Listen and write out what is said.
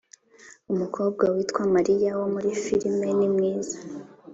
Umukobwa witwa Maria wo muri filime ni mwiza